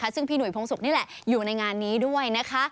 ซึ่งพี่ห่พงศุกร์นี่แหละอยู่ในงานนี้ด้วยนะคะ